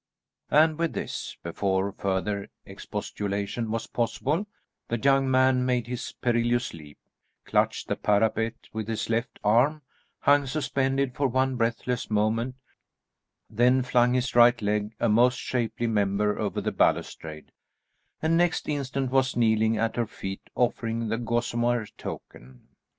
And with this, before further expostulation was possible, the young man made his perilous leap, clutched the parapet with his left arm, hung suspended for one breathless moment, then flung his right leg, a most shapely member, over the balustrade, and next instant was kneeling at her feet, offering the gosamer token.